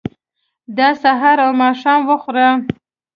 دا سهار او ماښام وخوره.